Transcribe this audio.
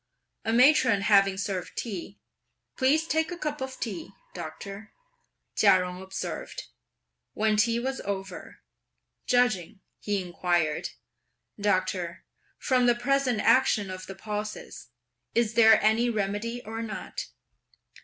A matron having served tea; "Please take a cup of tea, doctor," Chia Jung observed. When tea was over, "Judging," he inquired, "Doctor, from the present action of the pulses, is there any remedy or not?"